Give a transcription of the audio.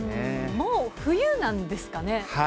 もう冬なんですかね？